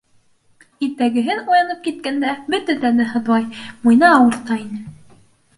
Иртәгеһен уянып киткәндә бөтә тәне һыҙлай, муйыны ауырта ине.